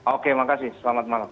oke terima kasih selamat malam